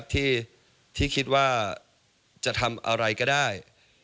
ที่คิดว่าจะทำอะไรก็ได้